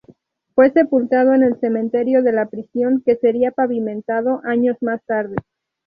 Fue sepultado en el cementerio de la prisión, que sería pavimentado años más tarde.